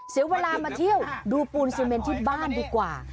เสียเวลามาเที่ยวดูปูนซีเมนที่บ้านดีกว่า